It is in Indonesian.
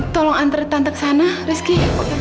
tolong antar tante kesana rizky